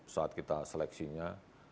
saat kita seleksinya